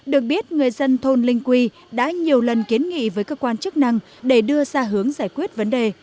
được biết người dân thôn linh quy đã nhiều lần kiến nghị với cơ quan chức năng để đưa ra hướng giải quyết vấn đề